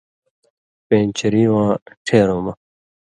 پېن٘چری واں ٹھېرؤں مہ،